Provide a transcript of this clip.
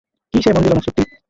কি সে মনযিলে মকসুদটি?